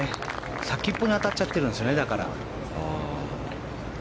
先っぽに当たっちゃってるんですね。